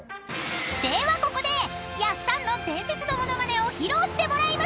ではここでやっさんの伝説のモノマネを披露してもらいましょう。